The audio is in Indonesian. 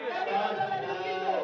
kita akan berharap